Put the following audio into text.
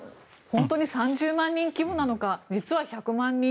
本当に３０万人規模なのか実は１００万人。